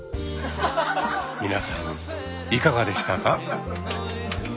皆さんいかがでしたか？